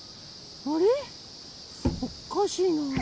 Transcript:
あれっおかしいな。